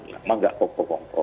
memang nggak pokok pokok